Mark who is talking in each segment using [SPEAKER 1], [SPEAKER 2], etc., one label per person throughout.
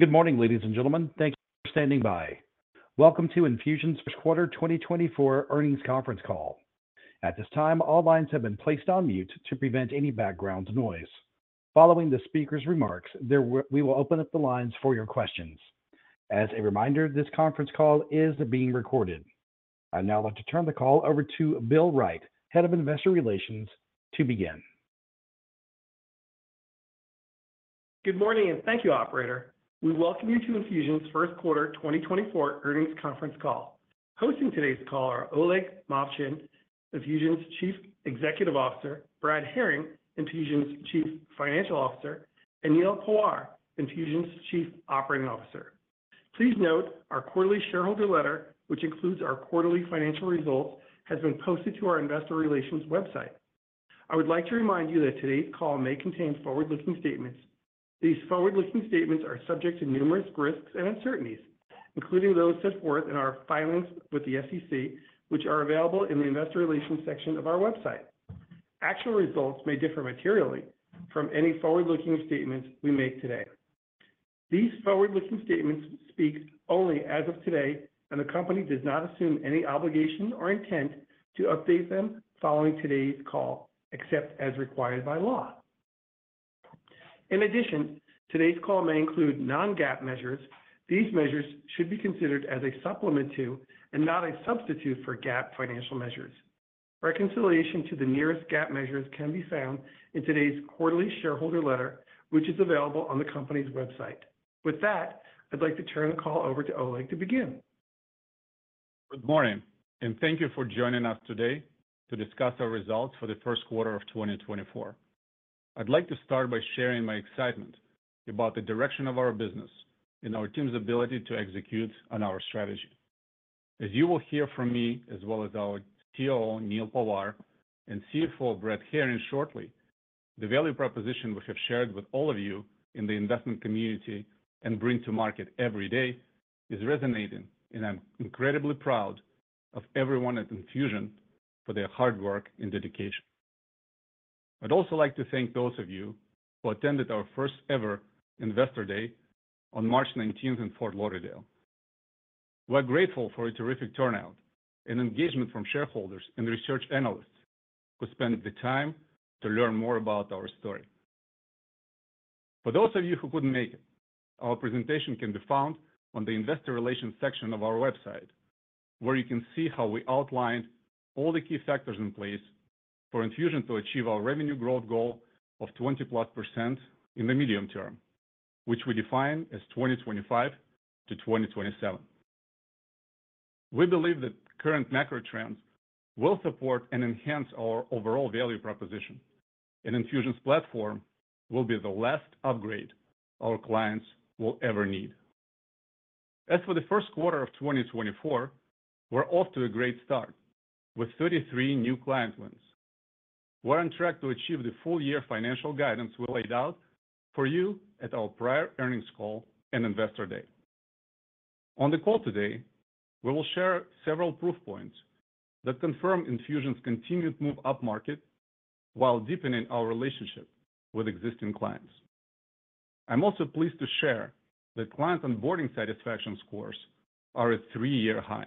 [SPEAKER 1] Good morning, ladies and gentlemen. Thank you for standing by. Welcome to Enfusion's first quarter 2024 earnings conference call. At this time, all lines have been placed on mute to prevent any background noise. Following the speaker's remarks, we will open up the lines for your questions. As a reminder, this conference call is being recorded. I'd now like to turn the call over to Bill Wright, Head of Investor Relations, to begin.
[SPEAKER 2] Good morning, and thank you, operator. We welcome you to Enfusion's first quarter 2024 earnings conference call. Hosting today's call are Oleg Movchan, Enfusion's Chief Executive Officer; Brad Herring, Enfusion's Chief Financial Officer; and Neal Pawar, Enfusion's Chief Operating Officer. Please note our quarterly shareholder letter, which includes our quarterly financial results, has been posted to our investor relations website. I would like to remind you that today's call may contain forward-looking statements. These forward-looking statements are subject to numerous risks and uncertainties, including those set forth in our filings with the SEC, which are available in the Investor Relations section of our website. Actual results may differ materially from any forward-looking statements we make today. These forward-looking statements speak only as of today, and the company does not assume any obligation or intent to update them following today's call, except as required by law. In addition, today's call may include non-GAAP measures. These measures should be considered as a supplement to, and not a substitute for, GAAP financial measures. Reconciliation to the nearest GAAP measures can be found in today's quarterly shareholder letter, which is available on the company's website. With that, I'd like to turn the call over to Oleg to begin.
[SPEAKER 3] Good morning and thank you for joining us today to discuss our results for the first quarter of 2024. I'd like to start by sharing my excitement about the direction of our business and our team's ability to execute on our strategy. As you will hear from me, as well as our COO, Neal Pawar, and CFO, Brad Herring, shortly, the value proposition we have shared with all of you in the investment community and bring to market every day is resonating, and I'm incredibly proud of everyone at Enfusion for their hard work and dedication. I'd also like to thank those of you who attended our first-ever Investor Day on March 19th in Fort Lauderdale. We're grateful for a terrific turnout and engagement from shareholders and research analysts who spent the time to learn more about our story. For those of you who couldn't make it, our presentation can be found on the Investor Relations section of our website, where you can see how we outlined all the key factors in place for Enfusion to achieve our revenue growth goal of 20%+ in the medium term, which we define as 2025-2027. We believe that current macro trends will support and enhance our overall value proposition, and Enfusion's platform will be the last upgrade our clients will ever need. As for the first quarter of 2024, we're off to a great start with 33 new client wins. We're on track to achieve the full-year financial guidance we laid out for you at our prior earnings call and Investor Day. On the call today, we will share several proof points that confirm Enfusion's continued move upmarket while deepening our relationship with existing clients. I'm also pleased to share that client onboarding satisfaction scores are at three-year highs.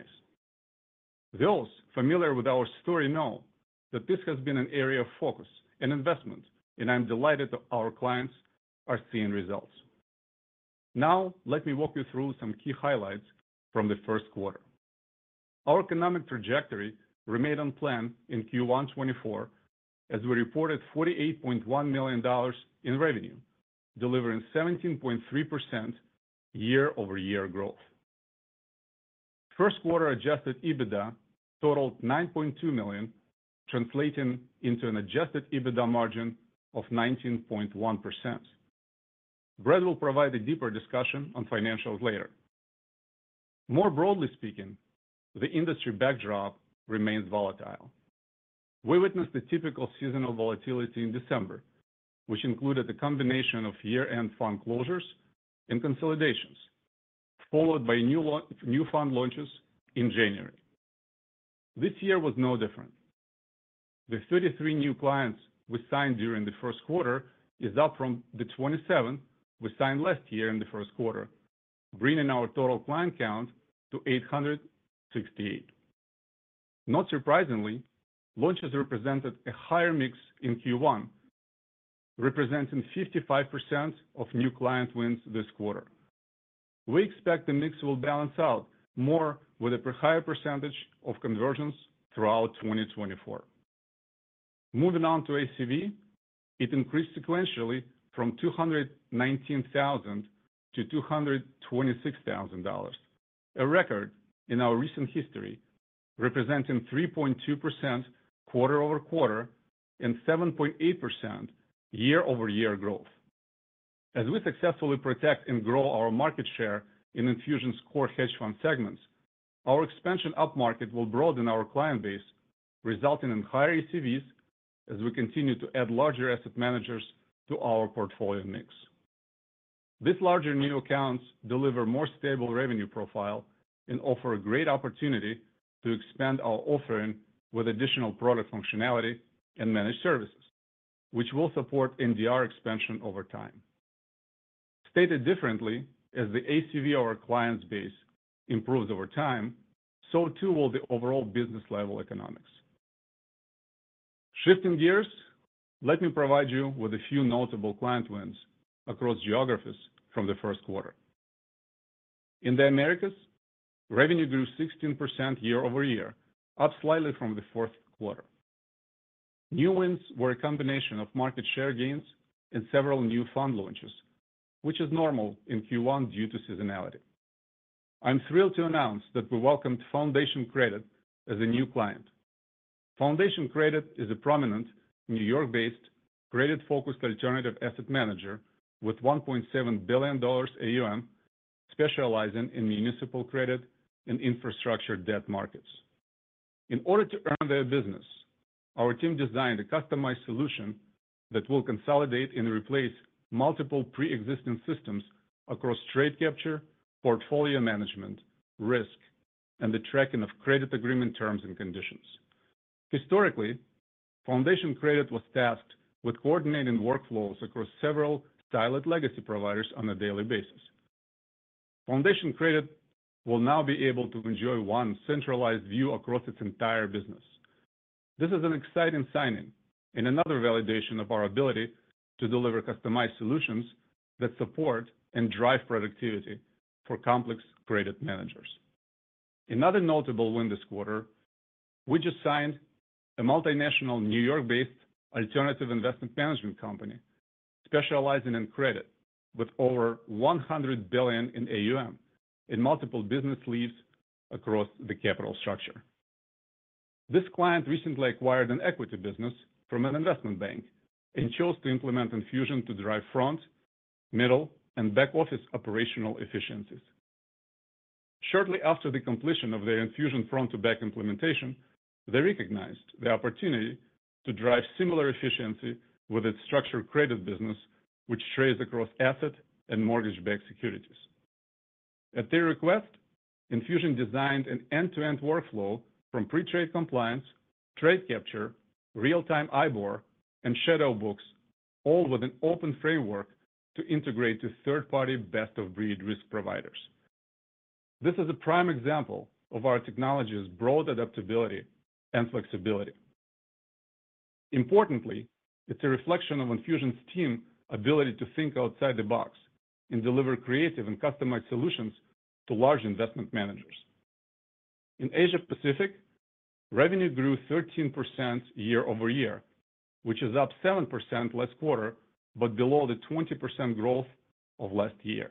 [SPEAKER 3] Those familiar with our story know that this has been an area of focus and investment, and I'm delighted that our clients are seeing results. Now, let me walk you through some key highlights from the first quarter. Our economic trajectory remained on plan in Q1 2024, as we reported $48.1 million in revenue, delivering 17.3% year-over-year growth. First quarter adjusted EBITDA totaled $9.2 million, translating into an adjusted EBITDA margin of 19.1%. Brad will provide a deeper discussion on financials later. More broadly speaking, the industry backdrop remains volatile. We witnessed the typical seasonal volatility in December, which included a combination of year-end fund closures and consolidations, followed by new fund launches in January. This year was no different. The 33 new clients we signed during the first quarter is up from the 27 we signed last year in the first quarter, bringing our total client count to 868. Not surprisingly, launches represented a higher mix in Q1, representing 55% of new client wins this quarter. We expect the mix will balance out more with a higher percentage of conversions throughout 2024. Moving on to ACV, it increased sequentially from $219,000 to $226,000, a record in our recent history, representing 3.2% quarter-over-quarter and 7.8% year-over-year growth. As we successfully protect and grow our market share in Enfusion's core hedge fund segments, our expansion upmarket will broaden our client base, resulting in higher ACVs as we continue to add larger asset managers to our portfolio mix. These larger new accounts deliver more stable revenue profile and offer a great opportunity to expand our offering with additional product functionality and managed services, which will support NDR expansion over time. Stated differently, as the ACV of our client base improves over time, so too will the overall business level economics. Shifting gears, let me provide you with a few notable client wins across geographies from the first quarter. In the Americas, revenue grew 16% year-over-year, up slightly from the fourth quarter. New wins were a combination of market share gains and several new fund launches, which is normal in Q1 due to seasonality. I'm thrilled to announce that we welcomed Foundation Credit as a new client. Foundation Credit is a prominent New York-based, credit-focused alternative asset manager with $1.7 billion AUM, specializing in municipal credit and infrastructure debt markets. In order to earn their business, our team designed a customized solution that will consolidate and replace multiple pre-existing systems across trade capture, portfolio management, risk, and the tracking of credit agreement terms and conditions. Historically, Foundation Credit was tasked with coordinating workflows across several siloed legacy providers on a daily basis. Foundation Credit will now be able to enjoy one centralized view across its entire business. This is an exciting signing and another validation of our ability to deliver customized solutions that support and drive productivity for complex credit managers. Another notable win this quarter. We just signed a multinational New York-based alternative investment management company specializing in credit, with over $100 billion in AUM in multiple business leads across the capital structure. This client recently acquired an equity business from an investment bank and chose to implement Enfusion to drive front, middle, and back-office operational efficiencies. Shortly after the completion of their Enfusion front-to-back implementation, they recognized the opportunity to drive similar efficiency with its structured credit business, which trades across asset and mortgage-backed securities. At their request, Enfusion designed an end-to-end workflow from pre-trade compliance, trade capture, real-time IBOR, and shadow books, all with an open framework to integrate to third-party best-of-breed risk providers. This is a prime example of our technology's broad adaptability and flexibility. Importantly, it's a reflection of Enfusion's team ability to think outside the box and deliver creative and customized solutions to large investment managers. In Asia Pacific, revenue grew 13% year-over-year, which is up 7% last quarter, but below the 20% growth of last year.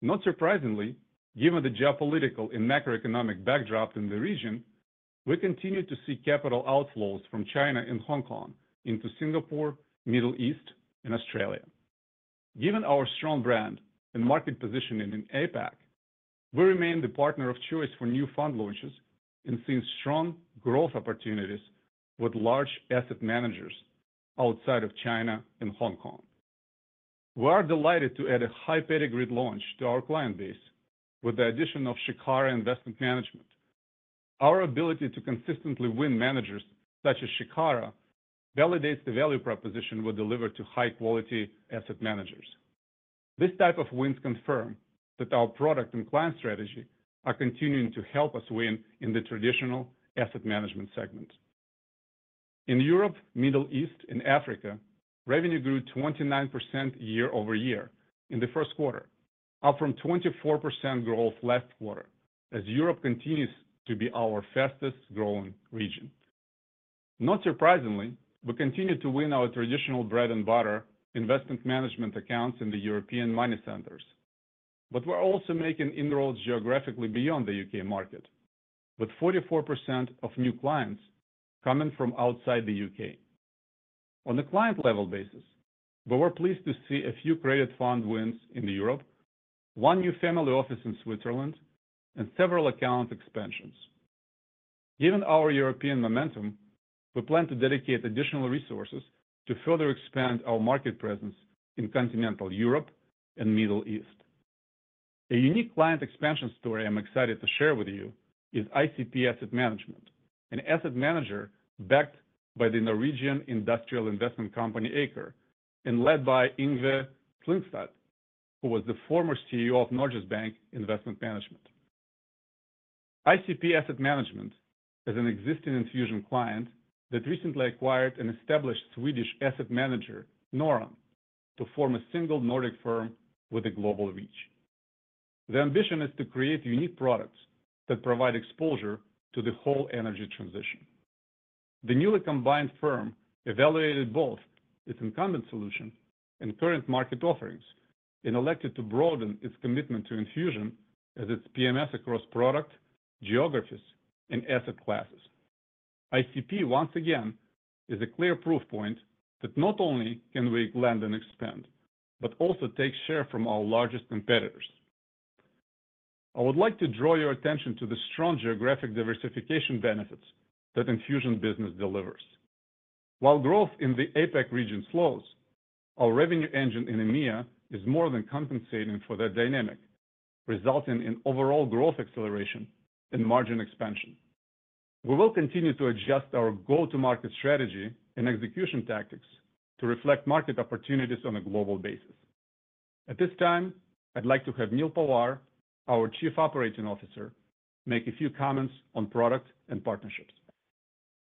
[SPEAKER 3] Not surprisingly, given the geopolitical and macroeconomic backdrop in the region, we continue to see capital outflows from China and Hong Kong into Singapore, Middle East, and Australia. Given our strong brand and market positioning in APAC, we remain the partner of choice for new fund launches and see strong growth opportunities with large asset managers outside of China and Hong Kong. We are delighted to add a high pedigree launch to our client base with the addition of Shikhara Investment Management. Our ability to consistently win managers such as Shikhara validates the value proposition we deliver to high-quality asset managers. This type of wins confirm that our product and client strategy are continuing to help us win in the traditional asset management segment. In Europe, Middle East, and Africa, revenue grew 29% year-over-year in the first quarter, up from 24% growth last quarter, as Europe continues to be our fastest growing region. Not surprisingly, we continue to win our traditional bread and butter investment management accounts in the European money centers. But we're also making inroads geographically beyond the U.K. market, with 44% of new clients coming from outside the U.K. On the client level basis, but we're pleased to see a few credit fund wins in Europe, one new family office in Switzerland, and several account expansions. Given our European momentum, we plan to dedicate additional resources to further expand our market presence in Continental Europe and Middle East. A unique client expansion story I'm excited to share with you is ICP Asset Management, an asset manager backed by the Norwegian industrial investment company, Aker, and led by Yngve Slyngstad, who was the former CEO of Norges Bank Investment Management. ICP Asset Management is an existing Enfusion client that recently acquired an established Swedish asset manager, Norron, to form a single Nordic firm with a global reach. The ambition is to create unique products that provide exposure to the whole energy transition. The newly combined firm evaluated both its incumbent solution and current market offerings and elected to broaden its commitment to Enfusion as its PMS across product, geographies, and asset classes. ICP, once again, is a clear proof point that not only can we land and expand but also take share from our largest competitors. I would like to draw your attention to the strong geographic diversification benefits that Enfusion business delivers. While growth in the APAC region slows, our revenue engine in EMEA is more than compensating for that dynamic, resulting in overall growth acceleration and margin expansion. We will continue to adjust our go-to-market strategy and execution tactics to reflect market opportunities on a global basis. At this time, I'd like to have Neal Pawar, our Chief Operating Officer, make a few comments on product and partnerships.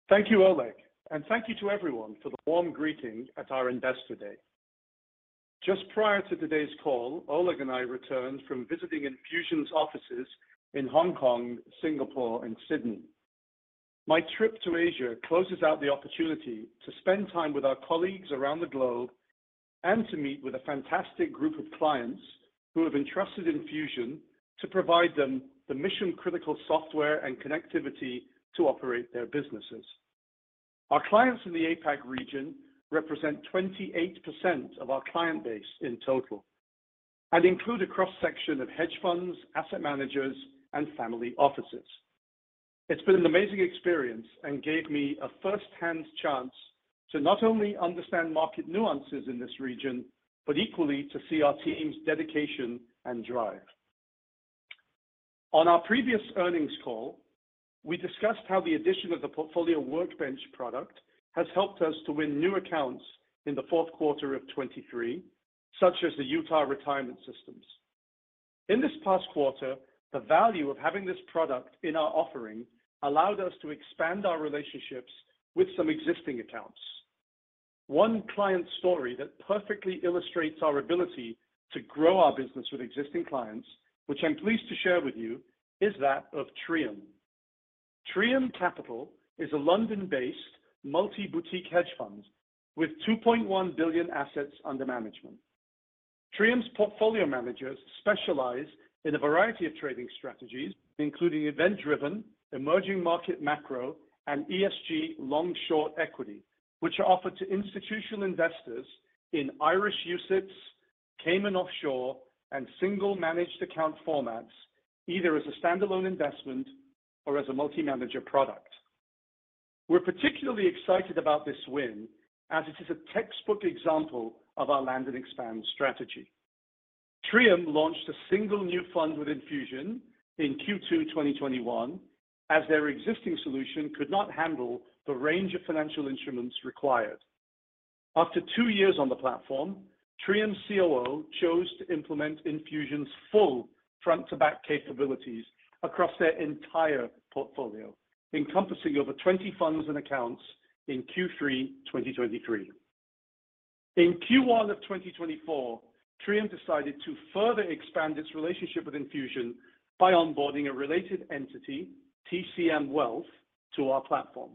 [SPEAKER 4] Thank you, Oleg, and thank you to everyone for the warm greeting at our Investor Day. Just prior to today's call, Oleg and I returned from visiting Enfusion's offices in Hong Kong, Singapore, and Sydney. My trip to Asia closes out the opportunity to spend time with our colleagues around the globe, and to meet with a fantastic group of clients who have entrusted Enfusion to provide them the mission-critical software and connectivity to operate their businesses. Our clients in the APAC region represent 28% of our client base in total, and include a cross-section of hedge funds, asset managers, and family offices. It's been an amazing experience and gave me a first-hand chance to not only understand market nuances in this region, but equally to see our team's dedication and drive. On our previous earnings call, we discussed how the addition of the Portfolio Workbench product has helped us to win new accounts in the fourth quarter of 2023, such as the Utah Retirement Systems. In this past quarter, the value of having this product in our offering allowed us to expand our relationships with some existing accounts. One client story that perfectly illustrates our ability to grow our business with existing clients, which I'm pleased to share with you, is that of Trium. Trium Capital is a London-based multi-boutique hedge fund with $2.1 billion assets under management. Trium's portfolio managers specialize in a variety of trading strategies, including event-driven, emerging market macro, and ESG long-short equity, which are offered to institutional investors in Irish UCITS, Cayman Offshore, and single managed account formats, either as a standalone investment or as a multi-manager product. We're particularly excited about this win, as it is a textbook example of our land and expand strategy. Trium launched a single new fund with Enfusion in Q2 2021, as their existing solution could not handle the range of financial instruments required. After two years on the platform, Trium's COO chose to implement Enfusion's full front-to-back capabilities across their entire portfolio, encompassing over 20 funds and accounts in Q3 2023. In Q1 of 2024, Trium decided to further expand its relationship with Enfusion by onboarding a related entity, TCM Wealth, to our platform.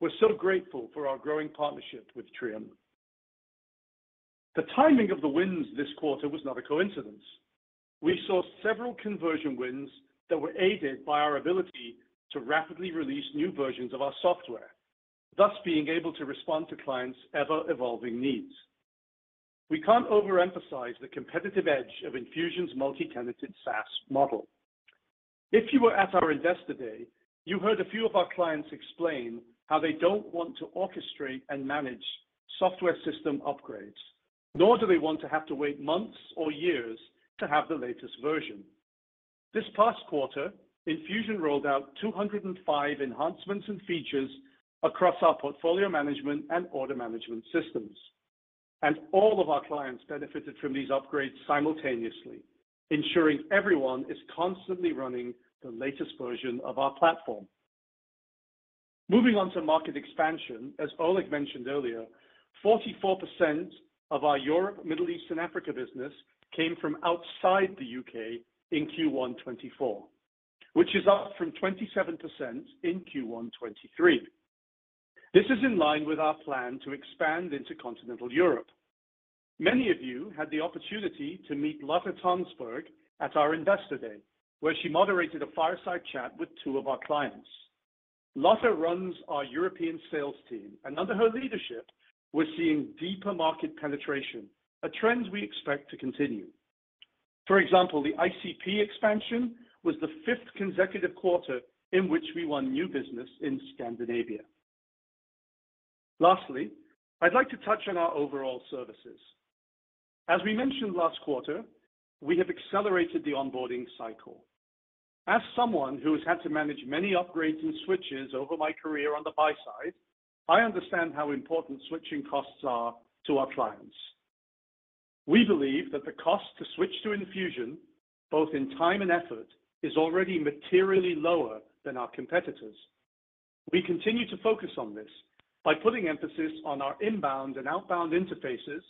[SPEAKER 4] We're so grateful for our growing partnership with Trium. The timing of the wins this quarter was not a coincidence. We saw several conversion wins that were aided by our ability to rapidly release new versions of our software, thus being able to respond to clients' ever-evolving needs. We can't overemphasize the competitive edge of Enfusion's multi-tenanted SaaS model. If you were at our Investor Day, you heard a few of our clients explain how they don't want to orchestrate and manage software system upgrades, nor do they want to have to wait months or years to have the latest version. This past quarter, Enfusion rolled out 205 enhancements and features across our portfolio management and order management systems, and all of our clients benefited from these upgrades simultaneously, ensuring everyone is constantly running the latest version of our platform. Moving on to market expansion, as Oleg mentioned earlier, 44% of our Europe, Middle East, and Africa business came from outside the U.K. in Q1 2024, which is up from 27% in Q1 2023. This is in line with our plan to expand into Continental Europe. Many of you had the opportunity to meet Lotte Tønsberg at our Investor Day, where she moderated a fireside chat with two of our clients. Lotte runs our European sales team, and under her leadership, we're seeing deeper market penetration, a trend we expect to continue. For example, the ICP expansion was the fifth consecutive quarter in which we won new business in Scandinavia. Lastly, I'd like to touch on our overall services. As we mentioned last quarter, we have accelerated the onboarding cycle. As someone who has had to manage many upgrades and switches over my career on the buy side, I understand how important switching costs are to our clients. We believe that the cost to switch to Enfusion, both in time and effort, is already materially lower than our competitors. We continue to focus on this by putting emphasis on our inbound and outbound interfaces,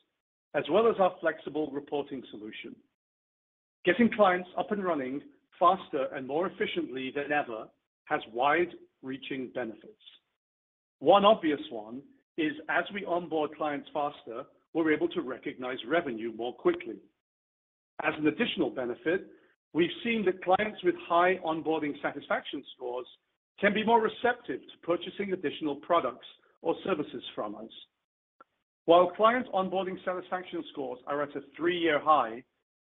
[SPEAKER 4] as well as our flexible reporting solution. Getting clients up and running faster and more efficiently than ever has wide-reaching benefits. One obvious one is as we onboard clients faster, we're able to recognize revenue more quickly. As an additional benefit, we've seen that clients with high onboarding satisfaction scores can be more receptive to purchasing additional products or services from us. While client onboarding satisfaction scores are at a three-year high,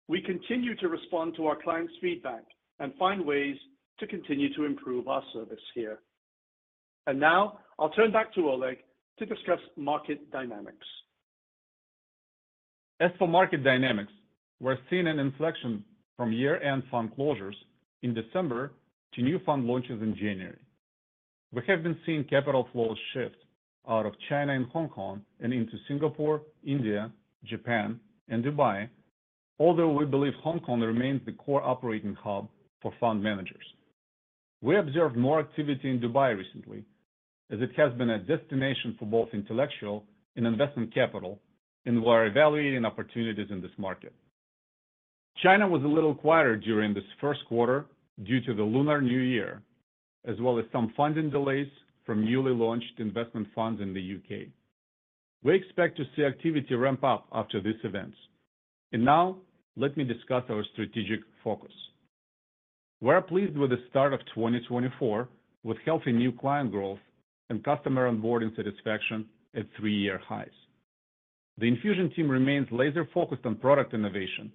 [SPEAKER 4] we continue to respond to our clients' feedback and find ways to continue to improve our service here. Now I'll turn back to Oleg to discuss market dynamics.
[SPEAKER 3] As for market dynamics, we're seeing an inflection from year-end fund closures in December to new fund launches in January. We have been seeing capital flows shift out of China and Hong Kong and into Singapore, India, Japan, and Dubai, although we believe Hong Kong remains the core operating hub for fund managers. We observed more activity in Dubai recently, as it has been a destination for both intellectual and investment capital, and we are evaluating opportunities in this market. China was a little quieter during this first quarter due to the Lunar New Year, as well as some funding delays from newly launched investment funds in the U.K. We expect to see activity ramp up after these events. Now, let me discuss our strategic focus. We're pleased with the start of 2024, with healthy new client growth and customer onboarding satisfaction at three-year highs. The Enfusion team remains laser-focused on product innovation,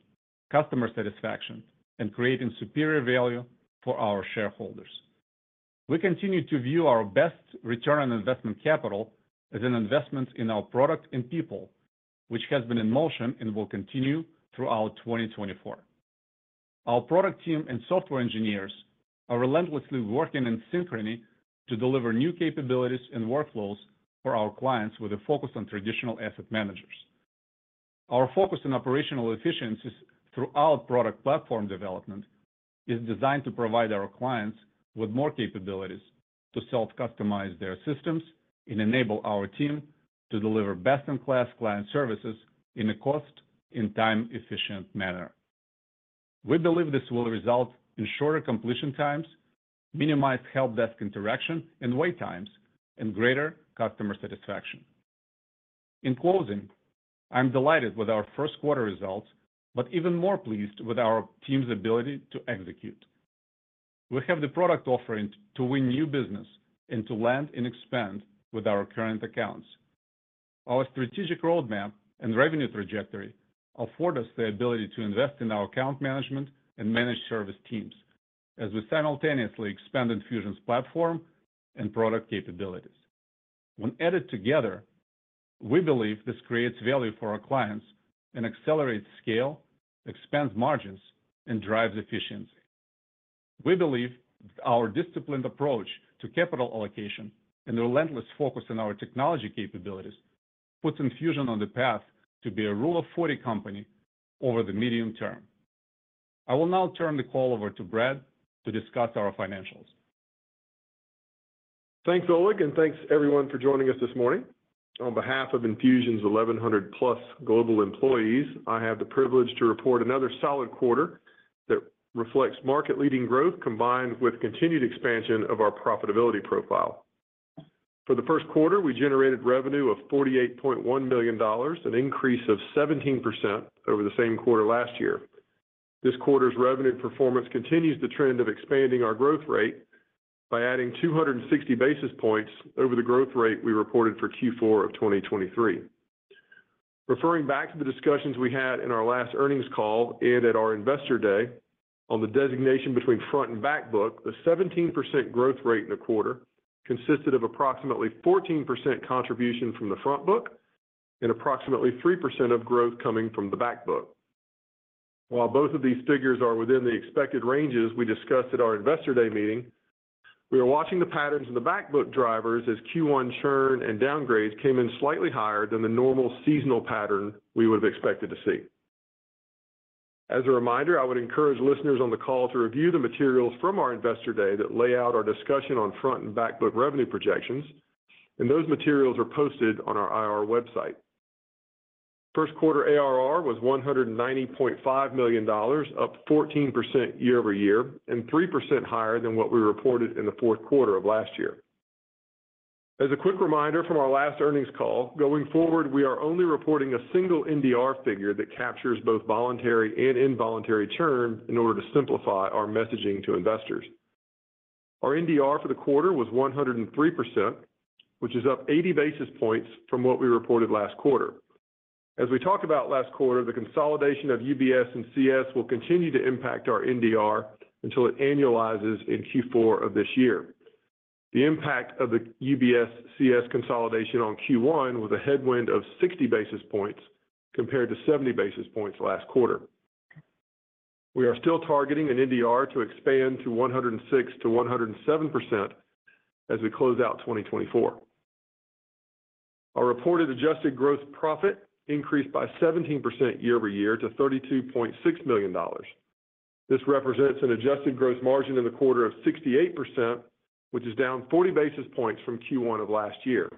[SPEAKER 3] customer satisfaction, and creating superior value for our shareholders. We continue to view our best return on investment capital as an investment in our product and people, which has been in motion and will continue throughout 2024. Our product team and software engineers are relentlessly working in synchrony to deliver new capabilities and workflows for our clients, with a focus on traditional asset managers. Our focus on operational efficiencies throughout product platform development is designed to provide our clients with more capabilities to self-customize their systems and enable our team to deliver best-in-class client services in a cost and time-efficient manner. We believe this will result in shorter completion times, minimized help desk interaction and wait times, and greater customer satisfaction. In closing, I'm delighted with our first quarter results, but even more pleased with our team's ability to execute. We have the product offering to win new business and to land and expand with our current accounts. Our strategic roadmap and revenue trajectory afford us the ability to invest in our account management and managed service teams as we simultaneously expand Enfusion's platform and product capabilities. When added together, we believe this creates value for our clients and accelerates scale, expands margins, and drives efficiency. We believe our disciplined approach to capital allocation and the relentless focus on our technology capabilities puts Enfusion on the path to be a Rule of 40 company over the medium term. I will now turn the call over to Brad to discuss our financials.
[SPEAKER 5] Thanks, Oleg, and thanks, everyone, for joining us this morning. On behalf of Enfusion's 1,100+ global employees, I have the privilege to report another solid quarter that reflects market-leading growth, combined with continued expansion of our profitability profile. For the first quarter, we generated revenue of $48.1 million, an increase of 17% over the same quarter last year. This quarter's revenue performance continues the trend of expanding our growth rate by adding 260 basis points over the growth rate we reported for Q4 of 2023. Referring back to the discussions we had in our last earnings call and at our Investor Day on the designation between Front and Back Book, the 17% growth rate in the quarter consisted of approximately 14% contribution from the Front Book and approximately 3% of growth coming from the Back Book. While both of these figures are within the expected ranges we discussed at our Investor Day meeting, we are watching the patterns in the Back Book drivers as Q1 churn and downgrades came in slightly higher than the normal seasonal pattern we would have expected to see. As a reminder, I would encourage listeners on the call to review the materials from our Investor Day that lay out our discussion on Front and Back Book revenue projections, and those materials are posted on our IR website. First quarter ARR was $190.5 million, up 14% year-over-year and 3% higher than what we reported in the fourth quarter of last year. As a quick reminder from our last earnings call, going forward, we are only reporting a single NDR figure that captures both voluntary and involuntary churn in order to simplify our messaging to investors. Our NDR for the quarter was 103%, which is up 80 basis points from what we reported last quarter. As we talked about last quarter, the consolidation of UBS and CS will continue to impact our NDR until it annualizes in Q4 of this year. The impact of the UBS/CS consolidation on Q1 was a headwind of 60 basis points compared to 70 basis points last quarter. We are still targeting an NDR to expand to 106%-107% as we close out 2024. Our reported adjusted gross profit increased by 17% year-over-year to $32.6 million. This represents an adjusted gross margin in the quarter of 68%, which is down 40 basis points from Q1 of last year.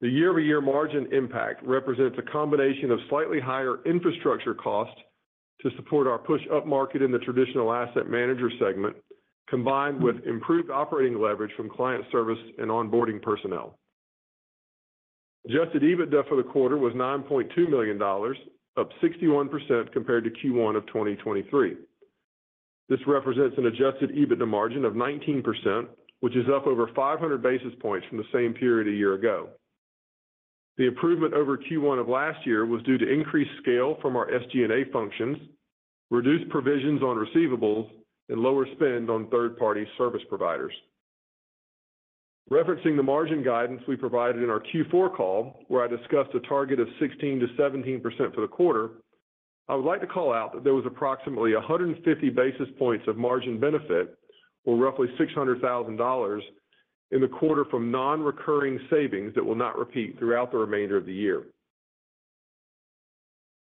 [SPEAKER 5] The year-over-year margin impact represents a combination of slightly higher infrastructure costs to support our push-up market in the traditional asset manager segment, combined with improved operating leverage from client service and onboarding personnel. Adjusted EBITDA for the quarter was $9.2 million, up 61% compared to Q1 of 2023. This represents an adjusted EBITDA margin of 19%, which is up over 500 basis points from the same period a year ago. The improvement over Q1 of last year was due to increased scale from our SG&A functions, reduced provisions on receivables, and lower spend on third-party service providers. Referencing the margin guidance we provided in our Q4 call, where I discussed a target of 16%-17% for the quarter, I would like to call out that there was approximately 150 basis points of margin benefit, or roughly $600,000, in the quarter from non-recurring savings that will not repeat throughout the remainder of the year.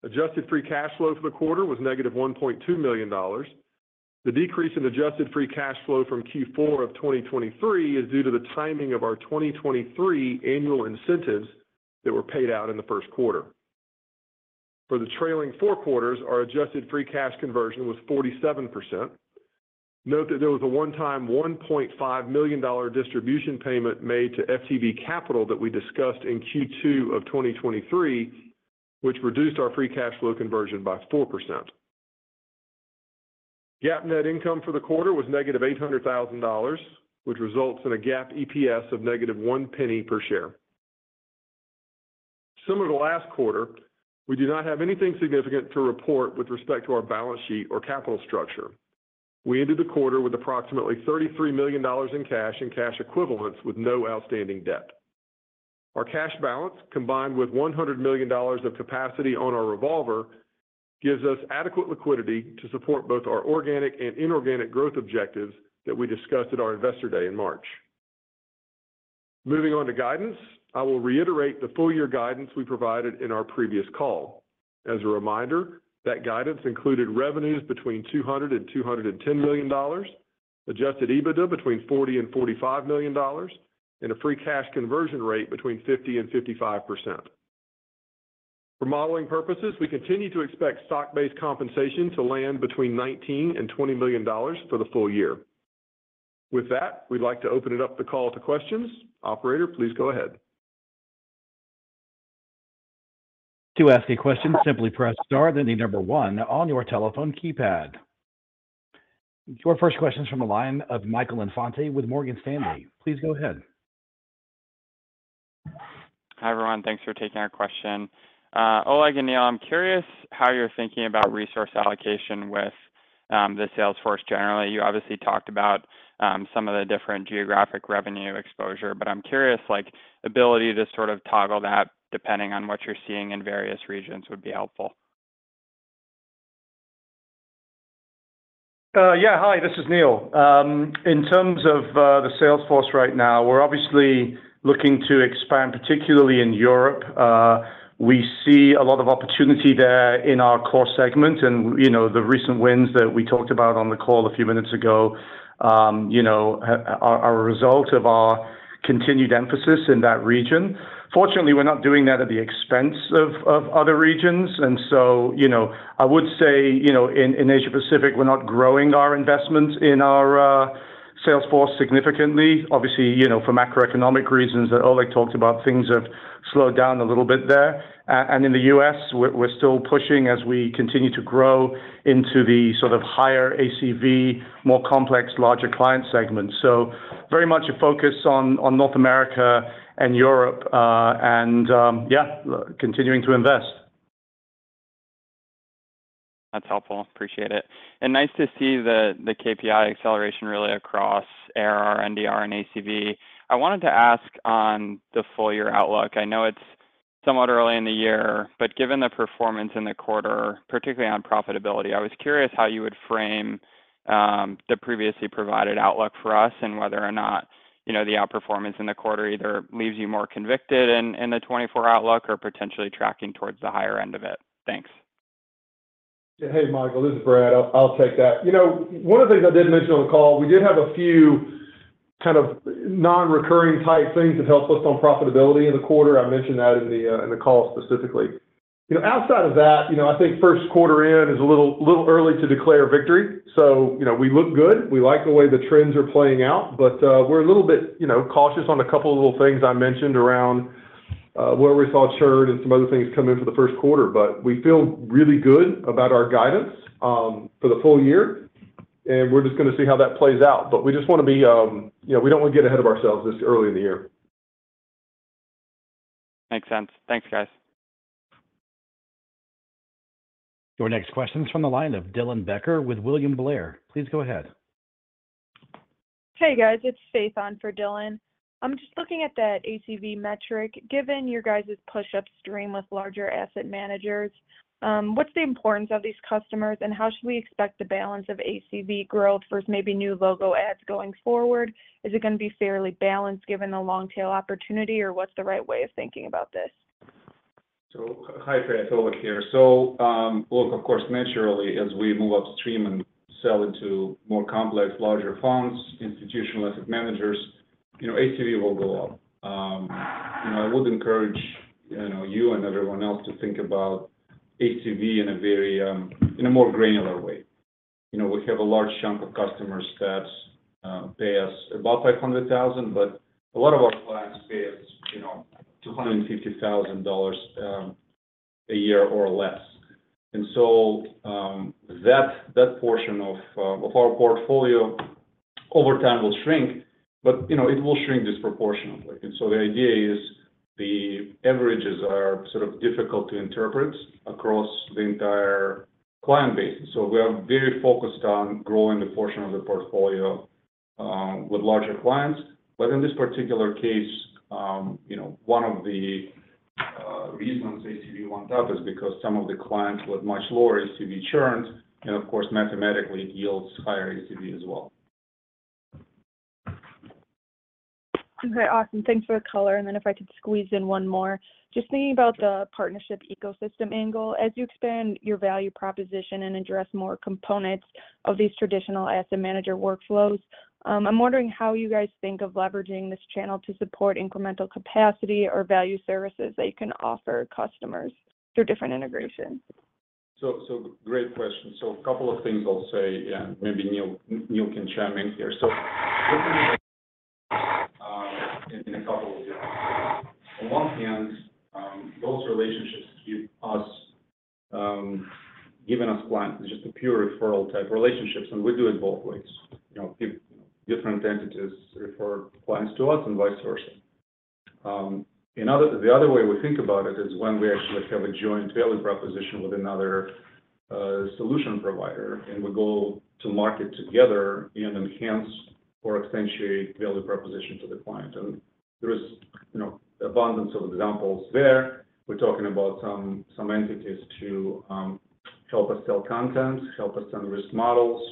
[SPEAKER 5] Adjusted free cash flow for the quarter was -$1.2 million. The decrease in adjusted free cash flow from Q4 of 2023 is due to the timing of our 2023 annual incentives that were paid out in the first quarter. For the trailing four quarters, our adjusted free cash conversion was 47%. Note that there was a one-time $1.5 million distribution payment made to FTV Capital that we discussed in Q2 of 2023, which reduced our free cash flow conversion by 4%. GAAP net income for the quarter was -$800,000, which results in a GAAP EPS of -$0.01 per share. Similar to last quarter, we do not have anything significant to report with respect to our balance sheet or capital structure. We ended the quarter with approximately $33 million in cash and cash equivalents, with no outstanding debt. Our cash balance, combined with $100 million of capacity on our revolver, gives us adequate liquidity to support both our organic and inorganic growth objectives that we discussed at our Investor Day in March. Moving on to guidance, I will reiterate the full year guidance we provided in our previous call. As a reminder, that guidance included revenues between $200 million-$210 million, adjusted EBITDA between $40 million-$45 million, and a free cash conversion rate between 50%-55%. For modeling purposes, we continue to expect stock-based compensation to land between $19 million-$20 million for the full year. With that, we'd like to open up the call to questions. Operator, please go ahead.
[SPEAKER 1] To ask a question, simply press star then the number one on your telephone keypad. Your first question is from the line of Michael Infante with Morgan Stanley. Please go ahead.
[SPEAKER 6] Hi, everyone. Thanks for taking our question. Oleg and Neal, I'm curious how you're thinking about resource allocation with the sales force generally. You obviously talked about some of the different geographic revenue exposure, but I'm curious, like, ability to sort of toggle that depending on what you're seeing in various regions would be helpful.
[SPEAKER 4] Yeah. Hi, this is Neal. In terms of the sales force right now, we're obviously looking to expand, particularly in Europe. We see a lot of opportunity there in our core segment, and, you know, the recent wins that we talked about on the call a few minutes ago, you know, are a result of our continued emphasis in that region. Fortunately, we're not doing that at the expense of other regions, and so, you know, I would say, you know, in Asia Pacific, we're not growing our investments in our sales force significantly. Obviously, you know, for macroeconomic reasons that Oleg talked about, things have slowed down a little bit there. And in the U.S., we're still pushing as we continue to grow into the sort of higher ACV, more complex, larger client segments. So very much a focus on North America and Europe and continuing to invest.
[SPEAKER 6] That's helpful. Appreciate it. And nice to see the KPI acceleration really across ARR, NDR, and ACV. I wanted to ask on the full year outlook. I know it's somewhat early in the year, but given the performance in the quarter, particularly on profitability, I was curious how you would frame the previously provided outlook for us and whether or not, you know, the outperformance in the quarter either leaves you more convicted in the 2024 outlook or potentially tracking towards the higher end of it. Thanks.
[SPEAKER 5] Hey, Michael, this is Brad. I'll take that. You know, one of the things I did mention on the call, we did have a few kind of non-recurring type things that helped us on profitability in the quarter. I mentioned that in the call specifically. You know, outside of that, you know, I think first quarter in is a little early to declare victory, so, you know, we look good. We like the way the trends are playing out, but we're a little bit, you know, cautious on a couple of little things I mentioned around where we saw churn and some other things come in for the first quarter. But we feel really good about our guidance for the full year, and we're just gonna see how that plays out. But we just want to be... You know, we don't want to get ahead of ourselves this early in the year.
[SPEAKER 6] Makes sense. Thanks, guys.
[SPEAKER 1] Your next question is from the line of Dylan Becker with William Blair. Please go ahead.
[SPEAKER 7] Hey, guys. It's Faith on for Dylan. I'm just looking at that ACV metric. Given your guys' push upstream with larger asset managers, what's the importance of these customers, and how should we expect the balance of ACV growth versus maybe new logo ads going forward? Is it going to be fairly balanced given the long tail opportunity, or what's the right way of thinking about this?
[SPEAKER 3] Hi, Faith, Oleg here. Look, of course, naturally, as we move upstream and sell into more complex, larger funds, institutional asset managers, you know, ACV will go up. And I would encourage, you know, you and everyone else to think about ACV in a very, in a more granular way. You know, we have a large chunk of customers that pay us about $500,000, but a lot of our clients pay us, you know, $250,000 a year or less. And so, that portion of our portfolio over time will shrink, but, you know, it will shrink disproportionately. And so the idea is the averages are sort of difficult to interpret across the entire client base. So we are very focused on growing the portion of the portfolio with larger clients. But in this particular case, you know, one of the reasons ACV went up is because some of the clients with much lower ACV churned, and of course, mathematically it yields higher ACV as well.
[SPEAKER 7] Okay, awesome. Thanks for the color. And then if I could squeeze in one more. Just thinking about the partnership ecosystem angle, as you expand your value proposition and address more components of these traditional asset manager workflows, I'm wondering how you guys think of leveraging this channel to support incremental capacity or value services that you can offer customers through different integrations.
[SPEAKER 3] So great question. So a couple of things I'll say, and maybe Neal can chime in here. So in a couple of ways. On one hand, those relationships have given us clients, just a pure referral-type relationships, and we do it both ways. You know, different entities refer clients to us and vice versa. The other way we think about it is when we actually have a joint value proposition with another solution provider, and we go to market together and enhance or accentuate value proposition to the client. And there is, you know, abundance of examples there. We're talking about some entities to help us sell content, help us sell risk models,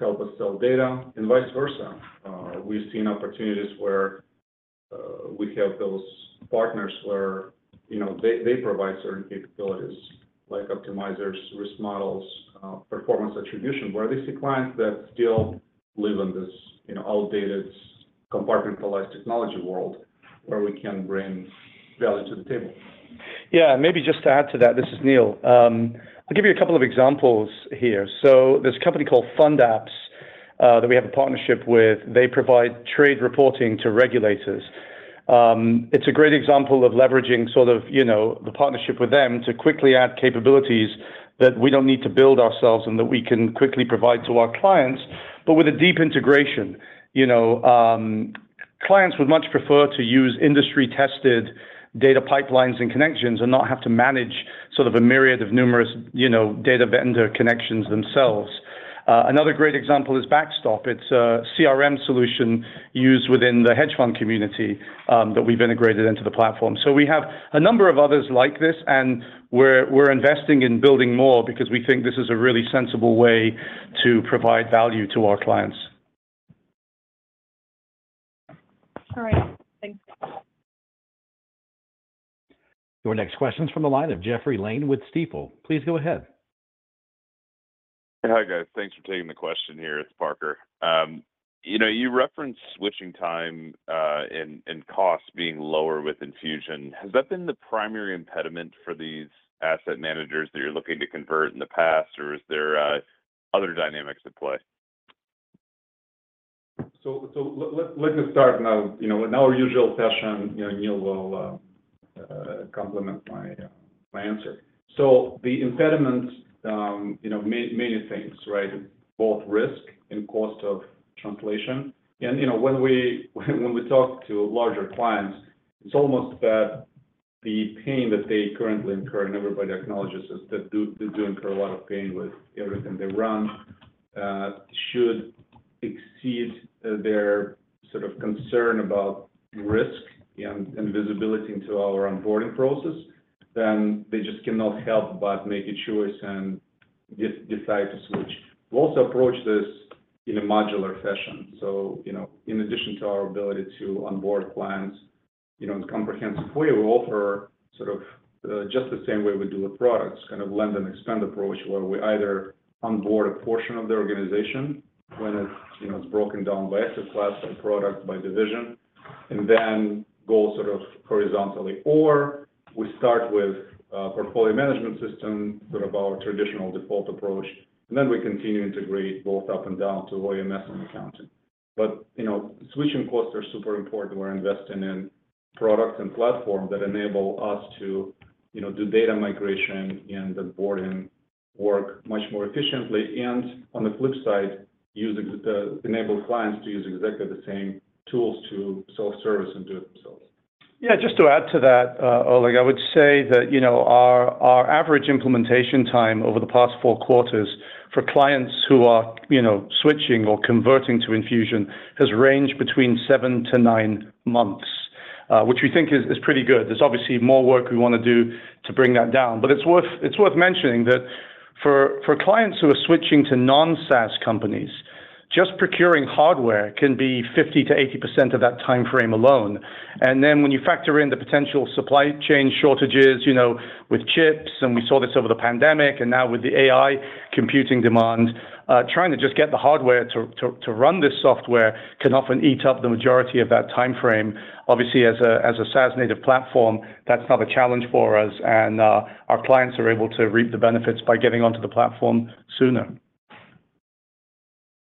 [SPEAKER 3] help us sell data, and vice versa. We've seen opportunities where we help those partners where, you know, they, they provide certain capabilities like optimizers, risk models, performance attribution, where they see clients that still live in this, you know, outdated, compartmentalized technology world, where we can bring value to the table.
[SPEAKER 4] Yeah, maybe just to add to that, this is Neal. I'll give you a couple of examples here. So this company called FundApps, that we have a partnership with, they provide trade reporting to regulators. It's a great example of leveraging sort of, you know, the partnership with them to quickly add capabilities that we don't need to build ourselves and that we can quickly provide to our clients, but with a deep integration. You know, clients would much prefer to use industry-tested data pipelines and connections and not have to manage sort of a myriad of numerous, you know, data vendor connections themselves. Another great example is Backstop. It's a CRM solution used within the hedge fund community, that we've integrated into the platform. We have a number of others like this, and we're investing in building more because we think this is a really sensible way to provide value to our clients.
[SPEAKER 7] All right. Thanks.
[SPEAKER 1] Your next question is from the line of Parker Lane with Stifel. Please go ahead.
[SPEAKER 8] Hi, guys. Thanks for taking the question here. It's Parker. You know, you referenced switching time and cost being lower with Enfusion. Has that been the primary impediment for these asset managers that you're looking to convert in the past, or is there other dynamics at play?
[SPEAKER 3] Let me start now. You know, in our usual session, you know, Neal will complement my answer. So the impediment, you know, many, many things, right? Both risk and cost of translation. You know, when we talk to larger clients, it's almost that the pain that they currently incur, and everybody acknowledges this, that they do incur a lot of pain with everything they run should exceed their sort of concern about risk and visibility into our onboarding process, then they just cannot help but make a choice and decide to switch. We'll also approach this in a modular fashion. So, you know, in addition to our ability to onboard clients, you know, in a comprehensive way, we offer sort of just the same way we do with products, kind of land and expand approach, where we either onboard a portion of the organization when it's, you know, it's broken down by asset class and product, by division, and then go sort of horizontally. Or we start with a portfolio management system, sort of our traditional default approach, and then we continue integrate both up and down to OMS and accounting. But, you know, switching costs are super important. We're investing in products and platform that enable us to, you know, do data migration and onboarding work much more efficiently. And on the flip side, using the enable clients to use exactly the same tools to self-service and do it themselves.
[SPEAKER 4] Yeah, just to add to that, Oleg, I would say that, you know, our average implementation time over the past four quarters for clients who are, you know, switching or converting to Enfusion, has ranged between seven to nine months, which we think is pretty good. There's obviously more work we want to do to bring that down, but it's worth mentioning that for clients who are switching to non-SaaS companies, just procuring hardware can be 50%-80% of that time frame alone. And then when you factor in the potential supply chain shortages, you know, with chips, and we saw this over the pandemic, and now with the AI computing demand, trying to just get the hardware to run this software can often eat up the majority of that time frame. Obviously, as a SaaS-native platform, that's not a challenge for us, and our clients are able to reap the benefits by getting onto the platform sooner.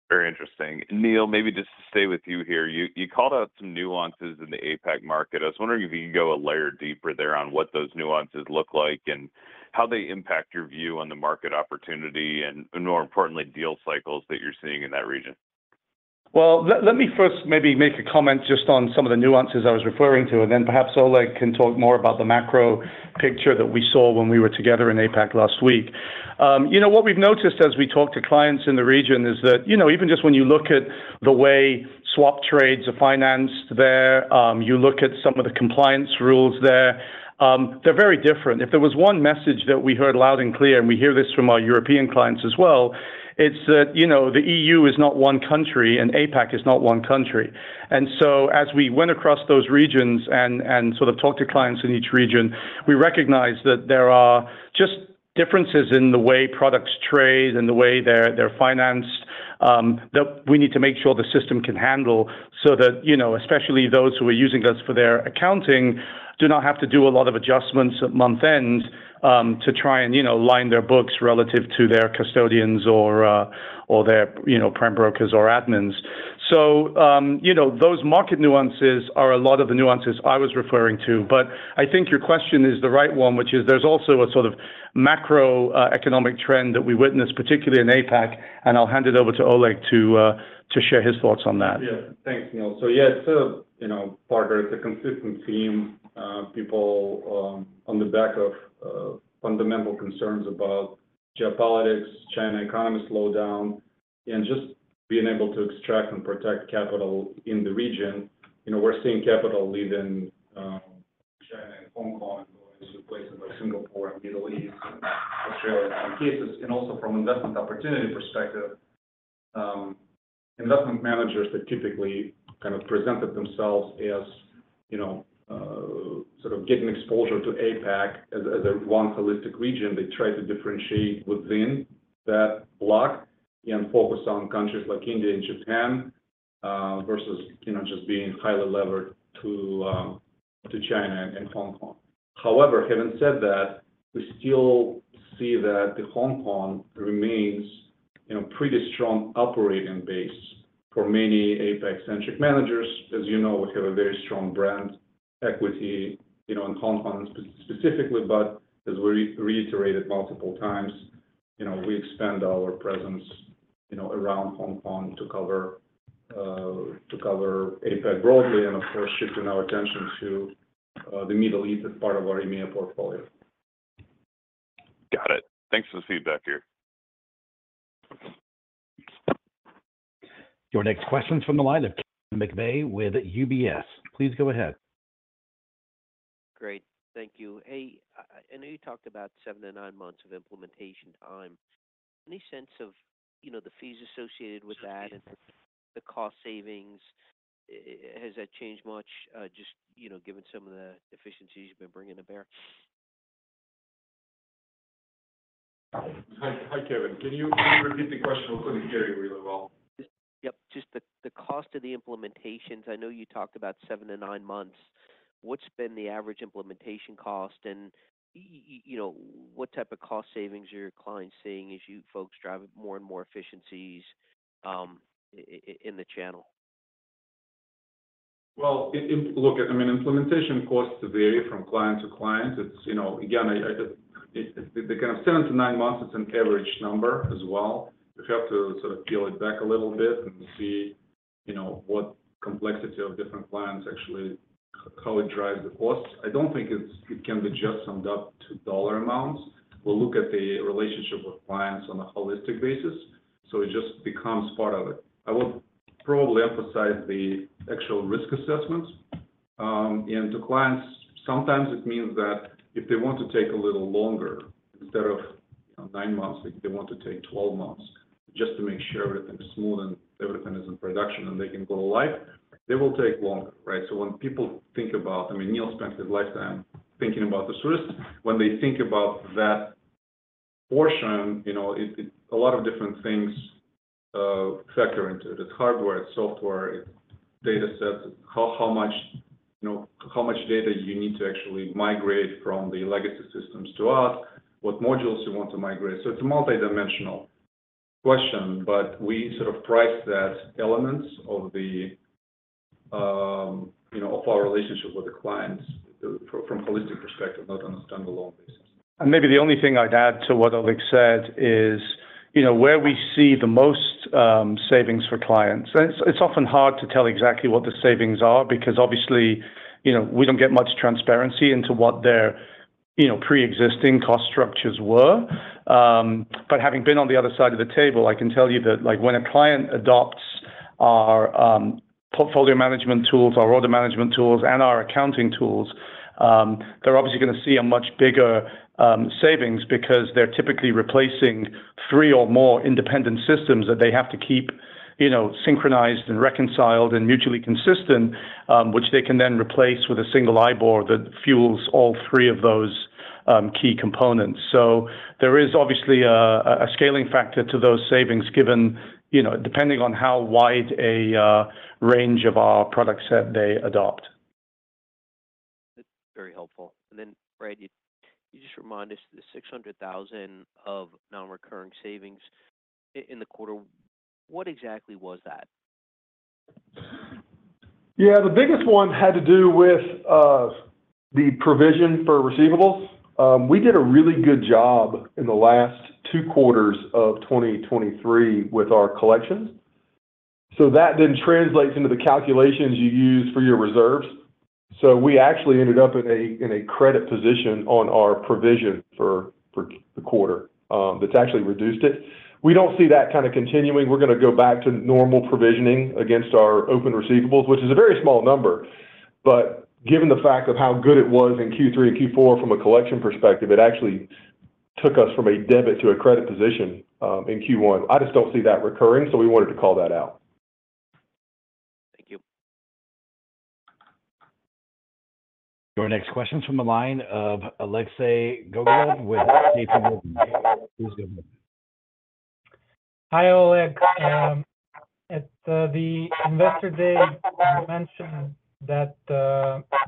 [SPEAKER 8] Very interesting. Neal, maybe just stay with you here. You, you called out some nuances in the APAC market. I was wondering if you could go a layer deeper there on what those nuances look like, and how they impact your view on the market opportunity, and, and more importantly, deal cycles that you're seeing in that region.
[SPEAKER 4] Well, let me first maybe make a comment just on some of the nuances I was referring to, and then perhaps Oleg can talk more about the macro picture that we saw when we were together in APAC last week. You know, what we've noticed as we talk to clients in the region is that, you know, even just when you look at the way swap trades are financed there, you look at some of the compliance rules there, they're very different. If there was one message that we heard loud and clear, and we hear this from our European clients as well, it's that, you know, the EU is not one country, and APAC is not one country. So as we went across those regions and sort of talked to clients in each region, we recognized that there are just differences in the way products trade and the way they're financed, that we need to make sure the system can handle, so that, you know, especially those who are using us for their accounting, do not have to do a lot of adjustments at month-end, to try and, you know, line their books relative to their custodians or or their, you know, prime brokers or admins. So, you know, those market nuances are a lot of the nuances I was referring to, but I think your question is the right one, which is there's also a sort of macro, economic trend that we witnessed, particularly in APAC, and I'll hand it over to Oleg to share his thoughts on that.
[SPEAKER 3] Yeah. Thanks, Neal. So, yeah, it's a, you know, partner, it's a consistent theme, people, on the back of, fundamental concerns about geopolitics, China economy slowdown, and just being able to extract and protect capital in the region. You know, we're seeing capital leave in, China and Hong Kong, going to places like Singapore and Middle East and Australia in some cases. And also from investment opportunity perspective, investment managers that typically kind of presented themselves as, you know, sort of getting exposure to APAC as, as a one holistic region, they try to differentiate within that block and focus on countries like India and Japan, versus, you know, just being highly levered to, to China and Hong Kong. However, having said that, we still see that the Hong Kong remains, you know, pretty strong operating base for many APAC-centric managers. As you know, we have a very strong brand equity, you know, in Hong Kong specifically, but as we reiterated multiple times, you know, we expand our presence, you know, around Hong Kong to cover, to cover APAC broadly and, of course, shifting our attention to, the Middle East as part of our EMEA portfolio.
[SPEAKER 8] Got it. Thanks for the feedback here.
[SPEAKER 1] Your next question is from the line of Kevin McVeigh with UBS. Please go ahead.
[SPEAKER 9] Great. Thank you. Hey, I know you talked about seven to nine months of implementation time. Any sense of, you know, the fees associated with that and the cost savings? Has that changed much, just, you know, given some of the efficiencies you've been bringing to bear?
[SPEAKER 3] Hi, hi, Kevin. Can you, can you repeat the question? We couldn't hear you really well.
[SPEAKER 9] Yep. Just the cost of the implementations. I know you talked about seven to nine months. What's been the average implementation cost, and you know, what type of cost savings are your clients seeing as you folks drive more and more efficiencies in the channel?
[SPEAKER 3] Well, look, I mean, implementation costs vary from client to client. It's, you know, again, I just... It, the kind of seven to nine months, it's an average number as well. You have to sort of peel it back a little bit and see, you know, what complexity of different clients actually how it drives the costs. I don't think it can be just summed up to dollar amounts. We'll look at the relationship with clients on a holistic basis, so it just becomes part of it. I would probably emphasize the actual risk assessments. And to clients, sometimes it means that if they want to take a little longer, instead of, you know, nine months, if they want to take 12 months just to make sure everything is smooth and everything is in production, and they can go live, they will take longer, right? So when people think about... I mean, Neal spent his lifetime thinking about this risk. When they think about that portion, you know, it, a lot of different things factor into it. It's hardware, it's software, it's data sets, how much, you know, how much data you need to actually migrate from the legacy systems to us, what modules you want to migrate. So it's a multidimensional question, but we sort of price that elements of the, you know, of our relationship with the clients from a holistic perspective, not on a standalone basis.
[SPEAKER 4] Maybe the only thing I'd add to what Oleg said is, you know, where we see the most savings for clients, and it's often hard to tell exactly what the savings are, because obviously, you know, we don't get much transparency into what their, you know, pre-existing cost structures were. But having been on the other side of the table, I can tell you that, like, when a client adopts our portfolio management tools, our order management tools, and our accounting tools, they're obviously gonna see a much bigger savings because they're typically replacing three or more independent systems that they have to keep, you know, synchronized and reconciled and mutually consistent, which they can then replace with a single IBOR that fuels all three of those key components. So there is obviously a scaling factor to those savings given, you know, depending on how wide a range of our product set they adopt.
[SPEAKER 9] Helpful. And then, Brad, you just remind us the $600,000 of non-recurring savings in the quarter, what exactly was that?
[SPEAKER 5] Yeah, the biggest one had to do with the provision for receivables. We did a really good job in the last two quarters of 2023 with our collections. So that then translates into the calculations you use for your reserves. So we actually ended up in a credit position on our provision for the quarter, that's actually reduced it. We don't see that kind of continuing. We're gonna go back to normal provisioning against our open receivables, which is a very small number, but given the fact of how good it was in Q3 and Q4 from a collection perspective, it actually took us from a debit to a credit position in Q1. I just don't see that recurring, so we wanted to call that out.
[SPEAKER 9] Thank you.
[SPEAKER 1] Your next question is from the line of Alexei Gogolev with JPMorgan. Please go ahead.
[SPEAKER 10] Hi, Oleg. At the Investor Day, you mentioned that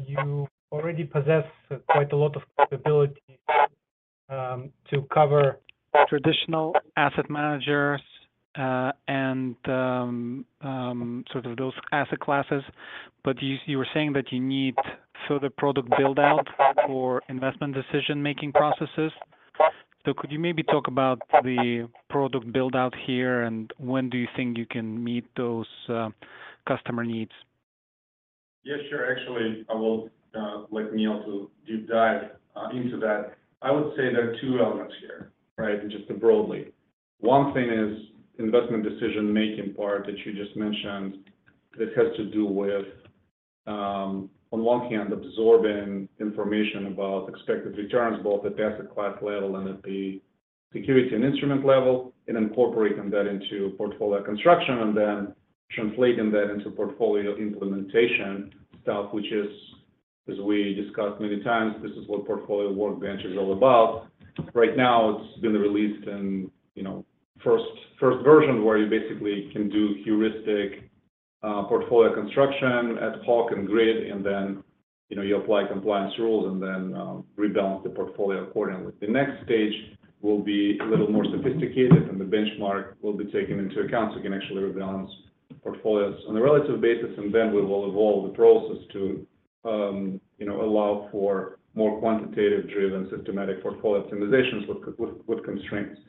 [SPEAKER 10] you already possess quite a lot of capability to cover traditional asset managers and sort of those asset classes, but you were saying that you need further product build-out for investment decision-making processes. So could you maybe talk about the product build-out here, and when do you think you can meet those customer needs?
[SPEAKER 3] Yes, sure. Actually, I will, like Neil, to deep dive, into that. I would say there are two elements here, right? Just broadly. One thing is investment decision-making part that you just mentioned. This has to do with, on one hand, absorbing information about expected returns, both at the asset class level and at the security and instrument level, and incorporating that into portfolio construction, and then translating that into portfolio implementation stuff, which is, as we discussed many times, this is what Portfolio Workbench is all about. Right now, it's been released in, you know, first, first version, where you basically can do heuristic, portfolio construction ad hoc and grid, and then, you know, you apply compliance rules and then, rebalance the portfolio accordingly. The next stage will be a little more sophisticated, and the benchmark will be taken into account, so you can actually rebalance portfolios on a relative basis, and then we will evolve the process to, you know, allow for more quantitative-driven, systematic portfolio optimizations with constraints.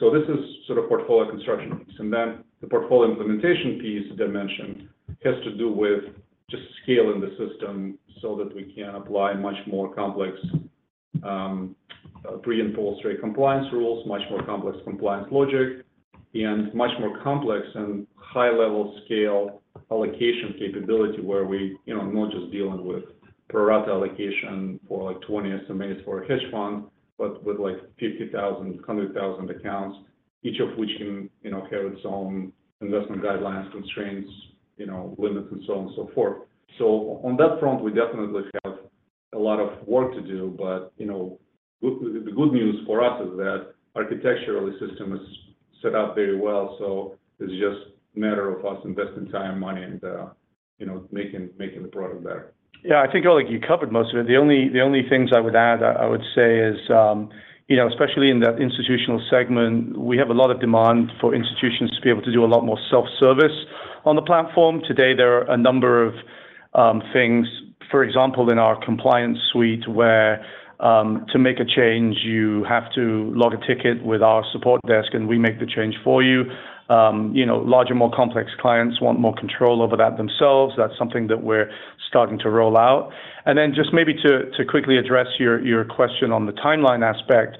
[SPEAKER 3] So this is sort of portfolio construction piece, and then the portfolio implementation piece that I mentioned has to do with just scaling the system so that we can apply much more complex, pre- and post-trade compliance rules, much more complex compliance logic, and much more complex and high-level scale allocation capability, where we, you know, not just dealing with pro rata allocation for, like, 20 estimates for a hedge fund, but with, like, 50,000, 100,000 accounts, each of which can, you know, have its own investment guidelines, constraints, you know, limits, and so on and so forth. On that front, we definitely have a lot of work to do, but, you know, the good news for us is that architecturally, system is set up very well, so it's just a matter of us investing time, money, and, you know, making the product better.
[SPEAKER 4] Yeah, I think, Oleg, you covered most of it. The only, the only things I would add, I would say is, you know, especially in that institutional segment, we have a lot of demand for institutions to be able to do a lot more self-service on the platform. Today, there are a number of things, for example, in our compliance suite, where to make a change, you have to log a ticket with our support desk, and we make the change for you. You know, larger, more complex clients want more control over that themselves. That's something that we're starting to roll out. And then just maybe to quickly address your question on the timeline aspect.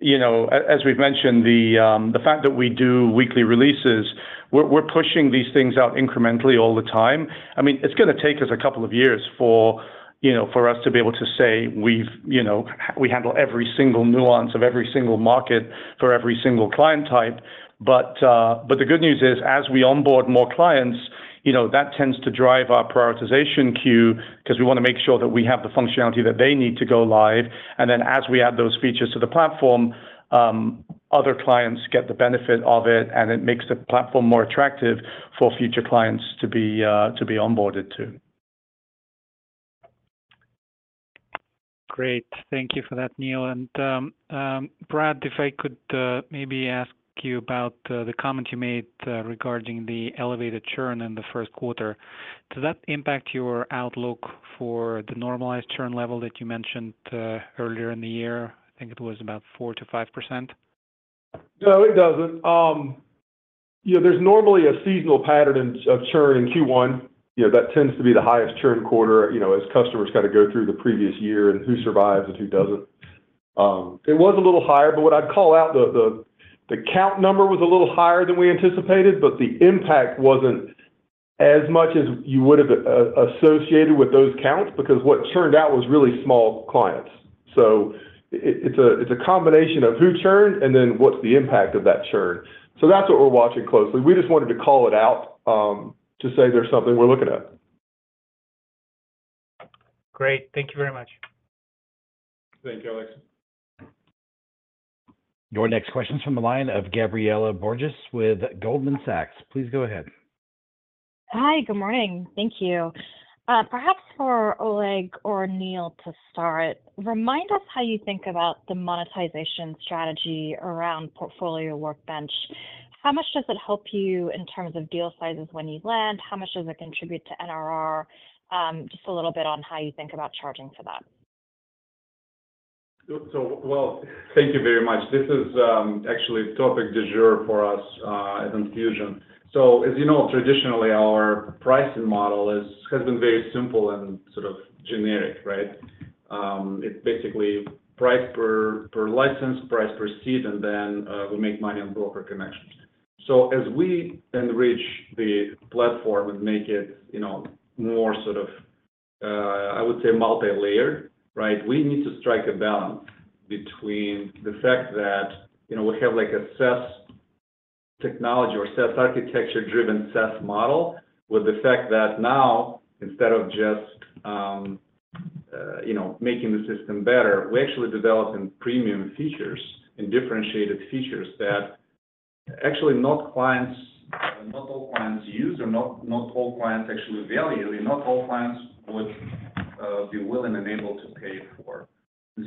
[SPEAKER 4] You know, as we've mentioned, the fact that we do weekly releases, we're pushing these things out incrementally all the time. I mean, it's gonna take us a couple of years for, you know, for us to be able to say we've, you know, we handle every single nuance of every single market for every single client type. But, but the good news is, as we onboard more clients, you know, that tends to drive our prioritization queue because we want to make sure that we have the functionality that they need to go live. And then, as we add those features to the platform, other clients get the benefit of it, and it makes the platform more attractive for future clients to be, to be onboarded to.
[SPEAKER 10] Great. Thank you for that, Neal. Brad, if I could maybe ask you about the comment you made regarding the elevated churn in the first quarter. Does that impact your outlook for the normalized churn level that you mentioned earlier in the year? I think it was about 4%-5%.
[SPEAKER 5] No, it doesn't. You know, there's normally a seasonal pattern in churn in Q1. You know, that tends to be the highest churn quarter, you know, as customers kind of go through the previous year and who survives and who doesn't. It was a little higher, but what I'd call out, the count number was a little higher than we anticipated, but the impact wasn't as much as you would've associated with those counts, because what churned out was really small clients. So it's a combination of who churned and then what's the impact of that churn. So that's what we're watching closely. We just wanted to call it out to say there's something we're looking at.
[SPEAKER 10] Great. Thank you very much.
[SPEAKER 3] Thank you, Alex.
[SPEAKER 1] Your next question is from the line of Gabriela Borges with Goldman Sachs. Please go ahead.
[SPEAKER 11] Hi, good morning. Thank you. Perhaps for Oleg or Neal to start, remind us how you think about the monetization strategy around Portfolio Workbench. How much does it help you in terms of deal sizes when you land? How much does it contribute to NRR? Just a little bit on how you think about charging for that.
[SPEAKER 3] So, well, thank you very much. This is actually topic du jour for us at Enfusion. So as you know, traditionally, our pricing model has been very simple and sort of generic, right? It's basically price per license, price per seat, and then we make money on broker connections. So as we then reach the platform and make it, you know, more sort of, I would say multilayered, right? We need to strike a balance between the fact that, you know, we have like a SaaS technology or SaaS architecture-driven SaaS model, with the fact that now, instead of just, you know, making the system better, we're actually developing premium features and differentiated features that actually not clients, not all clients use or not, not all clients actually value, and not all clients would be willing and able to pay for.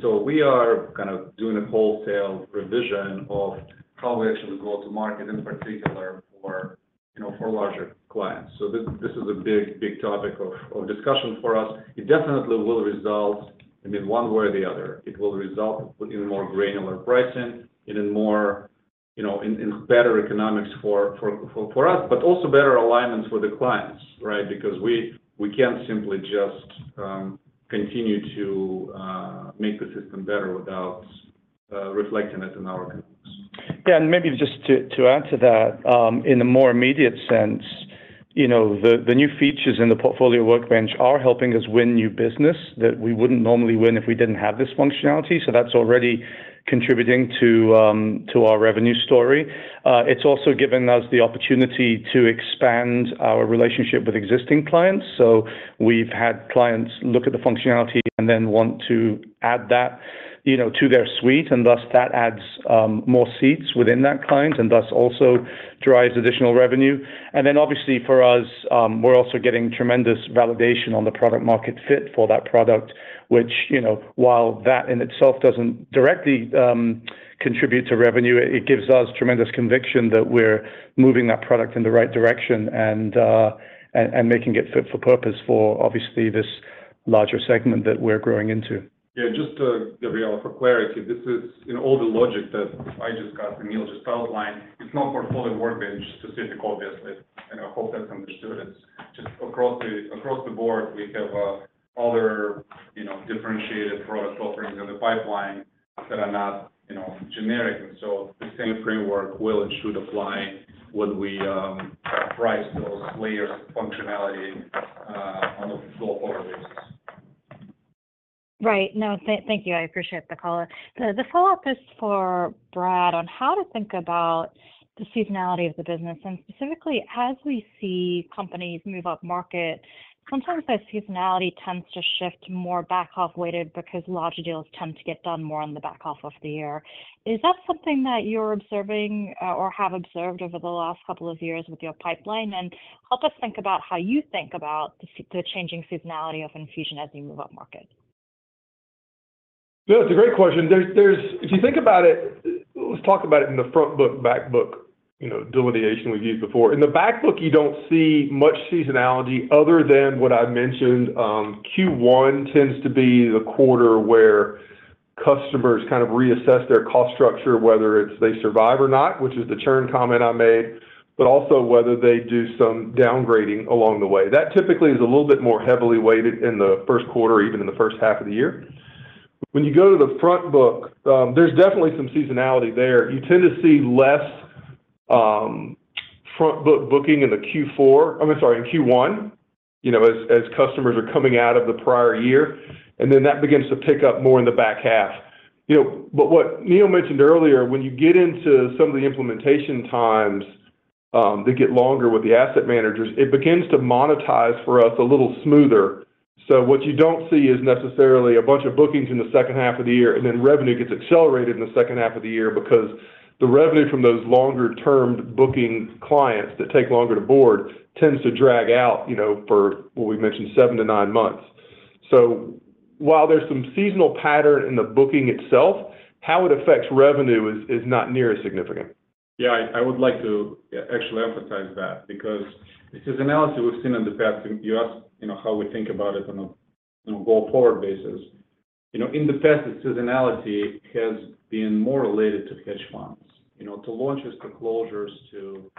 [SPEAKER 3] So we are kind of doing a wholesale revision of how we actually go to market, in particular for, you know, for larger clients. So this, this is a big, big topic of, of discussion for us. It definitely will result. I mean, one way or the other, it will result in more granular pricing, in a more, you know, better economics for us, but also better alignments for the clients, right? Because we can't simply just continue to make the system better without reflecting it in our economics.
[SPEAKER 4] Yeah, and maybe just to add to that, in a more immediate sense, you know, the new features in the Portfolio Workbench are helping us win new business that we wouldn't normally win if we didn't have this functionality, so that's already contributing to our revenue story. It's also given us the opportunity to expand our relationship with existing clients. So we've had clients look at the functionality and then want to add that, you know, to their suite, and thus that adds more seats within that client, and thus also drives additional revenue. And then, obviously, for us, we're also getting tremendous validation on the product market fit for that product, which, you know, while that in itself doesn't directly contribute to revenue, it gives us tremendous conviction that we're moving that product in the right direction and making it fit for purpose for obviously this larger segment that we're growing into.
[SPEAKER 3] Yeah, just to, Gabriela, for clarity, this is in all the logic that I just got and Neal just outlined, it's not Portfolio Workbench specific, obviously, and I hope that's understood. It's just across the, across the board, we have other, you know, differentiated product offerings in the pipeline that are not, you know, generic. And so the same framework will and should apply when we price those layers of functionality on a go-forward basis.
[SPEAKER 11] Right. No, thank you. I appreciate the call. The follow-up is for Brad on how to think about the seasonality of the business, and specifically, as we see companies move upmarket, sometimes that seasonality tends to shift more back-half weighted because larger deals tend to get done more on the back half of the year. Is that something that you're observing or have observed over the last couple of years with your pipeline? And help us think about how you think about the changing seasonality of Enfusion as you move upmarket.
[SPEAKER 5] No, it's a great question. There's. If you think about it, let's talk about it in the Front Book, Back Book, you know, delineation we've used before. In the Back Book, you don't see much seasonality other than what I mentioned. Q1 tends to be the quarter where customers kind of reassess their cost structure, whether it's they survive or not, which is the churn comment I made, but also whether they do some downgrading along the way. That typically is a little bit more heavily weighted in the first quarter, even in the first half of the year. When you go to the Front Book, there's definitely some seasonality there. You tend to see less Front Book booking in the Q4, I mean, sorry, in Q1, you know, as customers are coming out of the prior year, and then that begins to pick up more in the back half. You know, but what Neal mentioned earlier, when you get into some of the implementation times that get longer with the asset managers, it begins to monetize for us a little smoother. So what you don't see is necessarily a bunch of bookings in the second half of the year, and then revenue gets accelerated in the second half of the year because the revenue from those longer-term booking clients that take longer to board tends to drag out, you know, for what we mentioned, seven to nine months. While there's some seasonal pattern in the booking itself, how it affects revenue is not near as significant.
[SPEAKER 3] Yeah, I would like to actually emphasize that because the seasonality we've seen in the past, and you asked, you know, how we think about it on a go-forward basis. You know, in the past, the seasonality has been more related to hedge funds, you know, to launches, to closures, to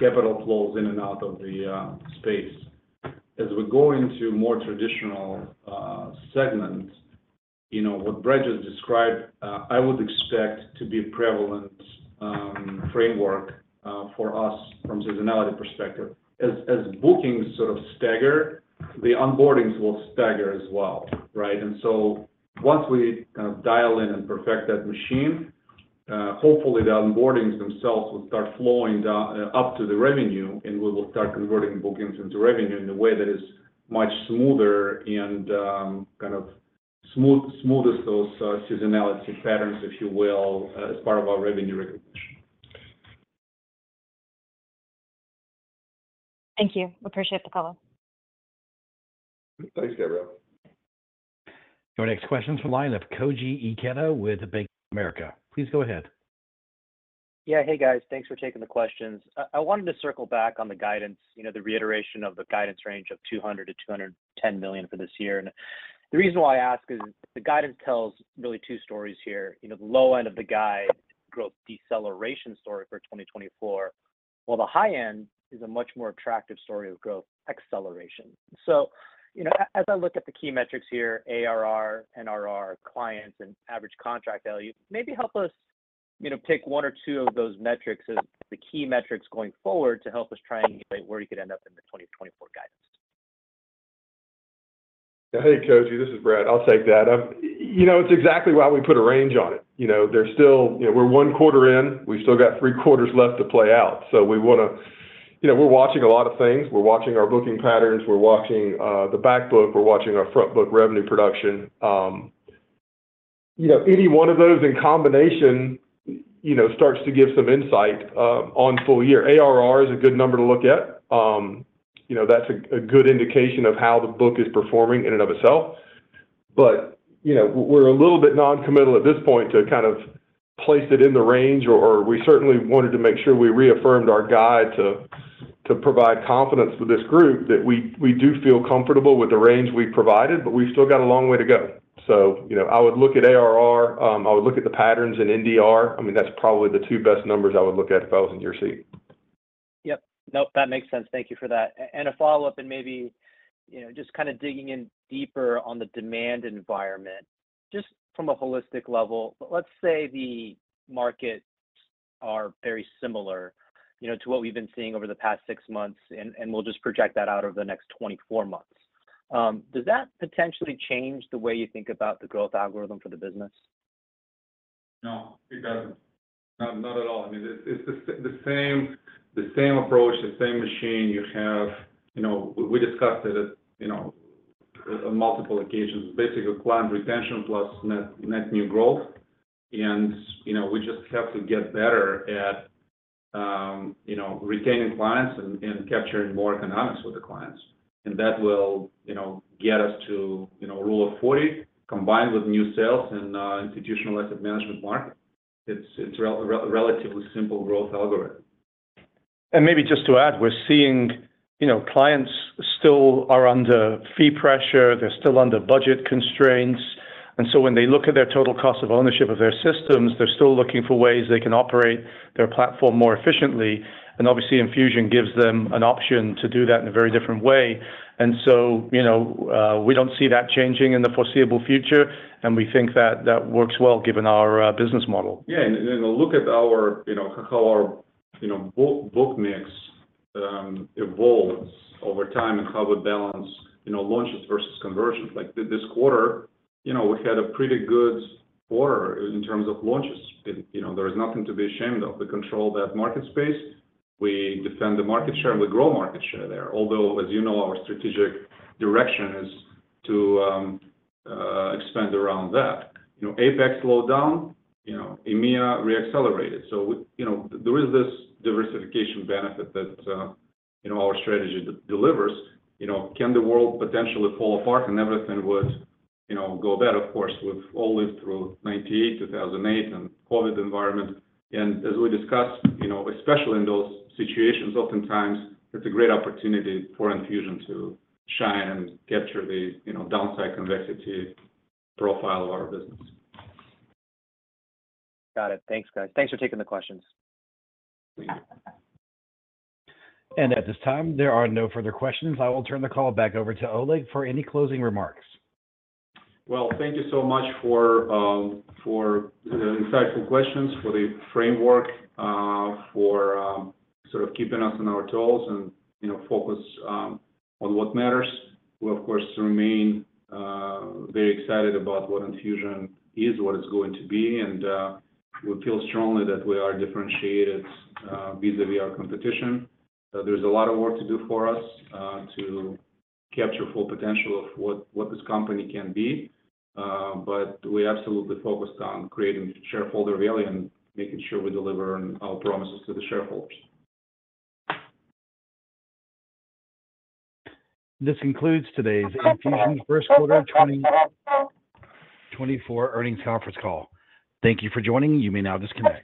[SPEAKER 3] capital flows in and out of the space. As we go into more traditional segments, you know, what Brad just described, I would expect to be prevalent framework for us from seasonality perspective. As bookings sort of stagger, the onboardings will stagger as well, right? So once we kind of dial in and perfect that machine, hopefully, the onboardings themselves will start flowing down up to the revenue, and we will start converting bookings into revenue in a way that is much smoother and, kind of smooth, smoothes those seasonality patterns, if you will, as part of our revenue recognition.
[SPEAKER 11] Thank you. Appreciate the call.
[SPEAKER 3] Thanks, Gabriela.
[SPEAKER 1] Your next question is from the line of Koji Ikeda with Bank of America. Please go ahead.
[SPEAKER 12] Yeah. Hey, guys. Thanks for taking the questions. I wanted to circle back on the guidance, you know, the reiteration of the guidance range of $200 million-$210 million for this year. The reason why I ask is, the guidance tells really two stories here. You know, the low end of the guide, growth deceleration story for 2024, while the high end is a much more attractive story of growth acceleration. As I look at the key metrics here, ARR, NRR, clients, and average contract value, maybe help us, you know, pick one or two of those metrics as the key metrics going forward to help us try and where you could end up in the 2024 guidance.
[SPEAKER 5] Hey, Koji, this is Brad. I'll take that. You know, it's exactly why we put a range on it. You know, there's still... You know, we're one quarter in, we still got three quarters left to play out. So we wanna, you know, we're watching a lot of things. We're watching our booking patterns, we're watching the Back Book, we're watching our Front Book revenue production. You know, any one of those in combination, you know, starts to give some insight on full year. ARR is a good number to look at. You know, that's a good indication of how the book is performing in and of itself. But, you know, we're a little bit non-committal at this point to kind of place it in the range, or, or we certainly wanted to make sure we reaffirmed our guide to, to provide confidence to this group, that we, we do feel comfortable with the range we provided, but we've still got a long way to go. So, you know, I would look at ARR, I would look at the patterns in NDR. I mean, that's probably the two best numbers I would look at if I was in your seat.
[SPEAKER 12] Yep. Nope, that makes sense. Thank you for that. And a follow-up and maybe, you know, just kind of digging in deeper on the demand environment, just from a holistic level. But let's say the markets are very similar, you know, to what we've been seeing over the past six months, and we'll just project that out over the next 24 months. Does that potentially change the way you think about the growth algorithm for the business?
[SPEAKER 3] No, it doesn't. Not at all. I mean, it's the same, the same approach, the same machine you have. You know, we discussed it, you know, on multiple occasions. Basically, client retention plus net new growth. And, you know, we just have to get better at, you know, retaining clients and capturing more economics with the clients. And that will, you know, get us to, you know, Rule of Forty, combined with new sales and institutional asset management market. It's a relatively simple growth algorithm.
[SPEAKER 4] And maybe just to add, we're seeing, you know, clients still are under fee pressure, they're still under budget constraints, and so when they look at their total cost of ownership of their systems, they're still looking for ways they can operate their platform more efficiently. And obviously, Enfusion gives them an option to do that in a very different way. And so, you know, we don't see that changing in the foreseeable future, and we think that that works well, given our business model.
[SPEAKER 3] Yeah, and look at our, you know, how our, you know, book mix evolves over time and how we balance, you know, launches versus conversions. Like, this quarter, you know, we had a pretty good quarter in terms of launches. And, you know, there is nothing to be ashamed of. We control that market space, we defend the market share, and we grow market share there. Although, as you know, our strategic direction is to expand around that. You know, APAC slowed down, you know, EMEA re-accelerated. So we. You know, there is this diversification benefit that, you know, our strategy delivers. You know, can the world potentially fall apart and everything would, you know, go bad? Of course, we've all lived through 1998, 2008, and COVID environment. As we discussed, you know, especially in those situations, oftentimes, it's a great opportunity for Enfusion to shine and capture the, you know, downside convexity profile of our business.
[SPEAKER 12] Got it. Thanks, guys. Thanks for taking the questions.
[SPEAKER 1] At this time, there are no further questions. I will turn the call back over to Oleg for any closing remarks.
[SPEAKER 3] Well, thank you so much for the insightful questions, for the framework, for sort of keeping us on our toes and, you know, focus on what matters. We, of course, remain very excited about what Enfusion is, what it's going to be, and we feel strongly that we are differentiated vis-a-vis our competition. There's a lot of work to do for us to capture full potential of what this company can be, but we're absolutely focused on creating shareholder value and making sure we deliver on our promises to the shareholders.
[SPEAKER 1] This concludes today's Enfusion first quarter 2024 earnings conference call. Thank you for joining. You may now disconnect.